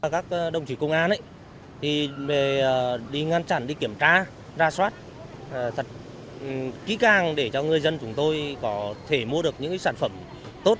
các đồng chí công an đi ngăn chặn đi kiểm tra ra soát thật kỹ càng để cho người dân chúng tôi có thể mua được những sản phẩm tốt